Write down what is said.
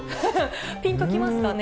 ピンときますかね？